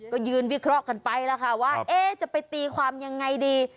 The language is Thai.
ก็ยืนวิเคราะห์กันไปแล้วค่ะว่าจะไปตีความยังไงดี